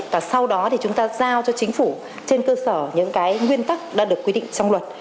và sau đó thì chúng ta giao cho chính phủ trên cơ sở những cái nguyên tắc đã được quy định trong luật